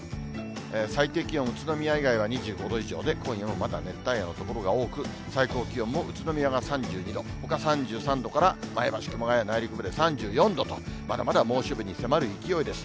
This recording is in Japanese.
最低気温、宇都宮以外は２５度以上で、今夜もまだ熱帯夜の所が多く、最高気温も宇都宮が３２度、ほか３３度から前橋、熊谷、内陸部で３４度と、まだまだ猛暑日に迫る勢いです。